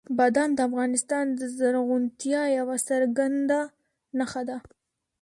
بادام د افغانستان د زرغونتیا یوه څرګنده نښه ده.